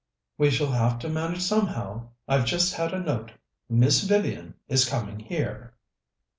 "We shall have to manage somehow. I've just had a note Miss Vivian is coming here."